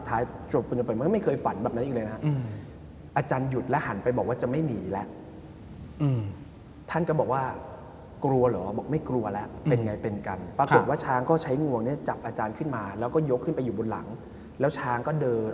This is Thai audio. อาจารย์ฝันเห็นช้างซ้ำกันฝันว่าช้างตัวใหญ่มากตัวใหญ่